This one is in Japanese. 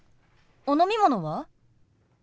お飲み物は？